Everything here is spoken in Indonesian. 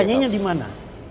kampanye nya dimana